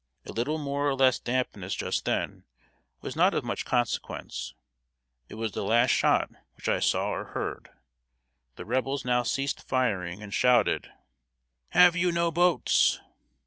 A little more or less dampness just then was not of much consequence. It was the last shot which I saw or heard. The Rebels now ceased firing, and shouted "Have you no boats?"